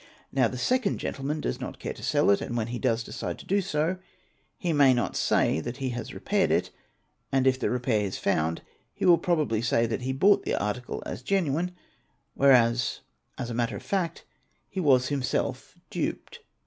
Now the second gentleman does not care to sell it and when he does decide to do so, he may not say that he has repaired it, and, — if the repair is found out, he will probably say that he bought the article as genuine, whereas as a matter of fact he was himself duped.